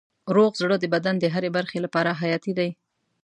روغ زړه د بدن د هرې برخې لپاره حیاتي دی.